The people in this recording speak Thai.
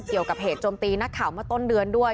เกี่ยวกับเหตุโจมตีนักข่าวเมื่อต้นเดือนด้วย